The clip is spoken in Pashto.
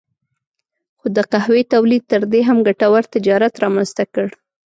خو د قهوې تولید تر دې هم ګټور تجارت رامنځته کړ.